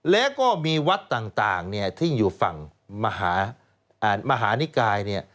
แล้วก็มีวัดต่างที่อยู่ฝั่งมหานิกาย